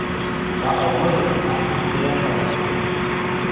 Ма ылмыжым Анфис цилӓ шайышт пуш.